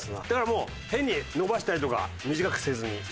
だからもう変に延ばしたりとか短くせずに。